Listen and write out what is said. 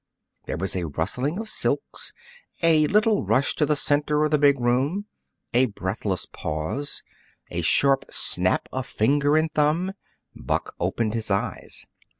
There was a rustling of silks, a little rush to the center of the big room, a breathless pause, a sharp snap of finger and thumb. Buck opened his eyes.